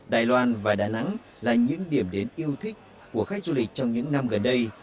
đài loan và đà nẵng là những điểm đến yêu thích của khách du lịch trong những năm gần đây